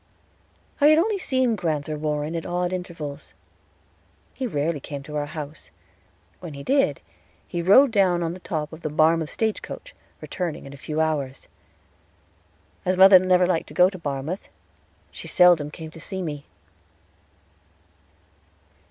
I had only seen Grand'ther Warren at odd intervals. He rarely came to our house; when he did, he rode down on the top of the Barmouth stagecoach, returning in a few hours. As mother never liked to go to Barmouth, she seldom came to see me.